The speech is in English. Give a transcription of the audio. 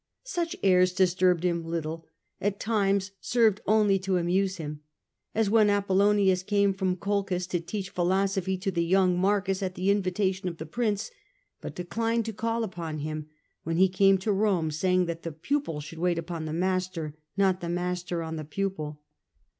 Such airs disturbed him little, at times served only to amuse him, as when Apollonius came from Colchis to teach philosophy to the young Marcus at the invitation of the prince, but declined to call upon him when he came to Rome, saying that the pupil should wait upon the master, not the master on the pupil.